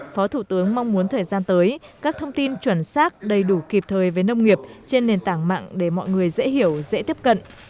phó thủ tướng mong muốn thời gian tới các thông tin chuẩn xác đầy đủ kịp thời với nông nghiệp trên nền tảng mạng để mọi người dễ hiểu dễ tiếp cận